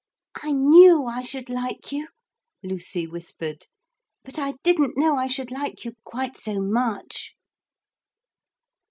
'I knew I should like you,' Lucy whispered, 'but I didn't know I should like you quite so much.'